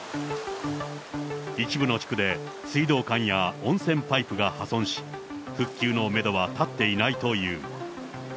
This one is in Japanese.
一部の地区で水道管や温泉パイプが破損し、復旧のメドは立っていないという。